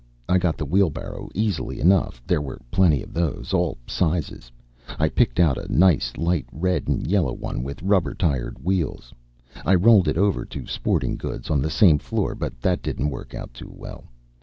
I got the wheelbarrow easily enough there were plenty of those, all sizes; I picked out a nice light red and yellow one with rubber tired wheel. I rolled it over to Sporting Goods on the same floor, but that didn't work out too well.